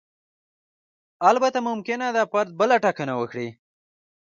البته ممکنه ده فرد بله ټاکنه وکړي.